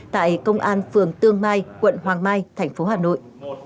tại công an phường tương mai quận hoàng mai tp hà nội